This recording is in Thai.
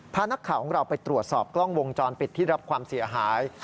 พานักข่าวของเราไปตรวจสอบกล้องวงจรปิดที่รับความเสียหาย